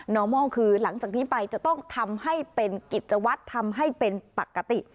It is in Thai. อมอลคือหลังจากนี้ไปจะต้องทำให้เป็นกิจวัตรทำให้เป็นปกติ